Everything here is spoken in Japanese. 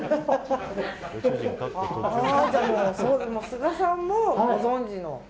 菅さんもご存じの。